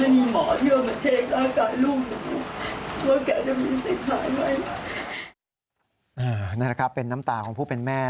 นี่แหละครับเป็นน้ำตาของผู้เป็นแม่